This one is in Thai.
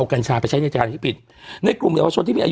อืมอืมอืมอืมอืมอืมอืมอืม